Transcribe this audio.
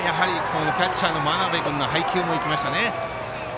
キャッチャーの真鍋君の配球が生きましたね。